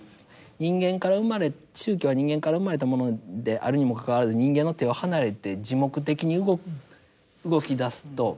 人間から生まれ宗教は人間から生まれたものであるにもかかわらず人間の手を離れて自目的に動きだすともうコントロール不能といいますか。